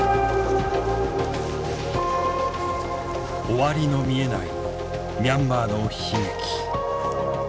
終わりの見えないミャンマーの悲劇。